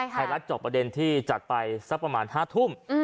ไทยรัฐจอบประเด็นที่จัดไปสักประมาณ๕ทุ่ม